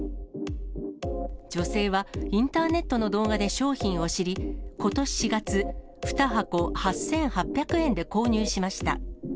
女性は、インターネットの動画で商品を知り、ことし４月、２箱８８００円で購入しました。